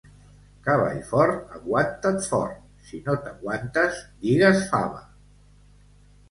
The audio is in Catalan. Cavall fort, aguanta't fort, si no t'aguantes, digues fava.